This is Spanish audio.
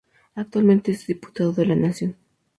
Actualmente es Diputado de la Nación.